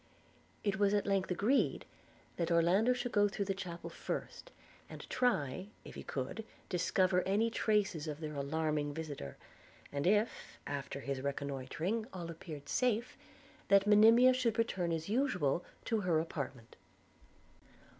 It was at length agreed, that Orlando should go through the chapel first, and try if he could discover any traces of their alarming visitor; and if, after his reconnoitring, all appeared safe, that Monimia should return as usual to her apartment.